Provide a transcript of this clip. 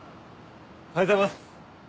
おはようございます。